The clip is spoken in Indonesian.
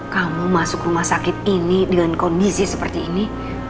kamu masuk rumah sakit ini dengan kondisi seperti ini